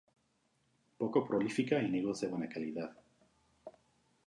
Poco prolífica en higos de buena calidad.